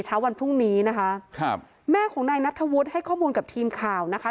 เช้าวันพรุ่งนี้นะคะครับแม่ของนายนัทธวุฒิให้ข้อมูลกับทีมข่าวนะคะ